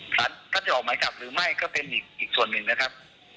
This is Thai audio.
แต่ถ้าจะออกใหม่จากหรือไม่ก็เป็นอีกอีกส่วนหนึ่งนะครับ